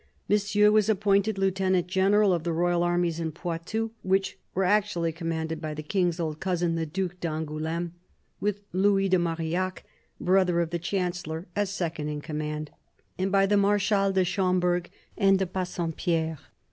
Monsieur was appointed lieutenant general of the royal armies in Poitou, which were actually commanded by the King's old cousin, the Due d'Angouleme, with Louis de Marillac, brother of the Chancellor, as second in command, and by the Marshals de Schomberg and de Bassompierre.